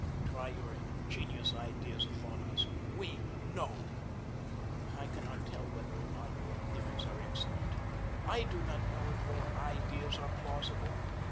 Try your ingenious ideas upon us. WE KNOW. I cannot tell whether or not your theories are excellent. I do not know if your ideas are plausible.